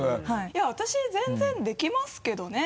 私全然できますけどね。